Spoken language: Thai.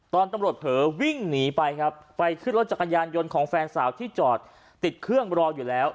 ตอนตำรวจเผลอวิ่งหนีไปครับไปขึ้นรถจักรยานยนต์ของแฟนสาวที่จอดติดเครื่องรออยู่แล้ว